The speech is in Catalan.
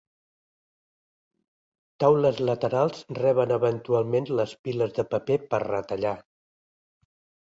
Taules laterals reben eventualment les piles de paper per retallar.